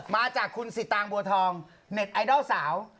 มาจากคุณสิตางบัวทองเน็ตไอดอลสาว